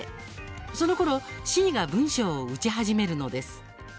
そのころＣが文章を打ち始めるのです。